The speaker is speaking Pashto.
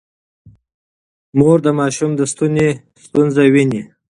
مور د ماشوم د ستوني ستونزه ويني.